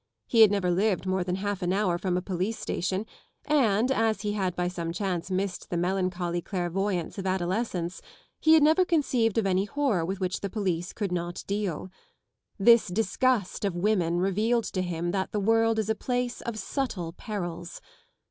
lie had never lived more than half=an=hour from a police station, and, as he had by some chance missed the melancholy clairvoyance of adolescence, he had never conceived of any horror with which the police could not deal. This disgust of women revealed to him that the world is a place of subtle perils.